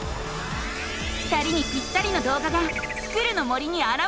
２人にぴったりのどうがが「スクる！の森」にあらわれた！